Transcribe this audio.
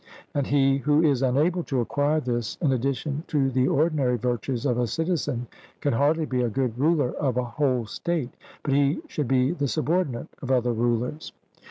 And he who is unable to acquire this in addition to the ordinary virtues of a citizen, can hardly be a good ruler of a whole state; but he should be the subordinate of other rulers.